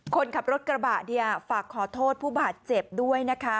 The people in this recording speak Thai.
คนขับรถกระบะเนี่ยฝากขอโทษผู้บาดเจ็บด้วยนะคะ